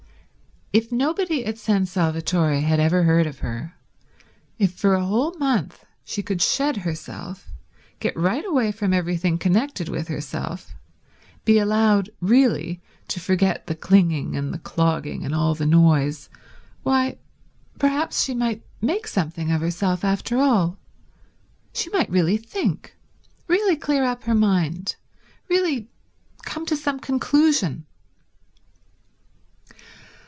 If nobody at San Salvatore had ever heard of her, if for a whole month she could shed herself, get right away from everything connected with herself, be allowed really to forget the clinging and the clogging and all the noise, why, perhaps she might make something of herself after all. She might really think; really clear up her mind; really come to some conclusion.